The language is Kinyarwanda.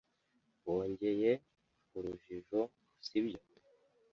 Wongeye urujijo, sibyo?